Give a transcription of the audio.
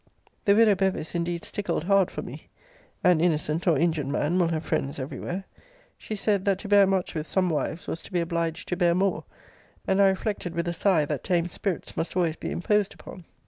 The widow Bevis indeed stickled hard for me. [An innocent, or injured man, will have friends every where.] She said, that to bear much with some wives, was to be obliged to bear more; and I reflected, with a sigh, that tame spirits must always be imposed upon.